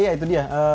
iya itu dia